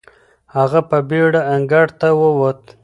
هغه په بېړه انګړ ته وووت.